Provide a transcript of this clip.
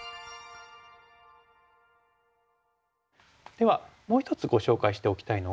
ではもう１つご紹介しておきたいのが。